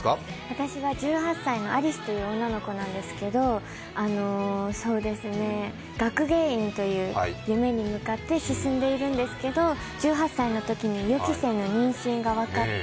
私は１８歳の有栖という女の子なんですけど学芸員という夢に向かって進んでいるんですけれど１８歳のときに予期せぬ妊娠が分かって